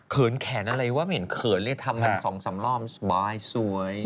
เขินแขนอะไรวะไม่เห็นเขินเลยทำละ๒๓รอบบายสวย